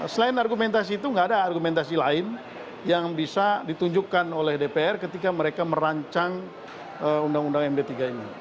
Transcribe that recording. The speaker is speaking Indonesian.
selain argumentasi itu nggak ada argumentasi lain yang bisa ditunjukkan oleh dpr ketika mereka merancang undang undang md tiga ini